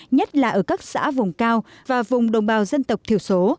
nhất là ở các xã vùng cao và vùng đồng bào dân tộc thiểu số